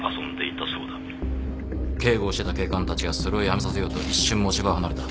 警護をしてた警官たちはそれをやめさせようと一瞬持ち場を離れた。